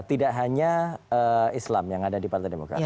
tidak hanya islam yang ada di partai demokrat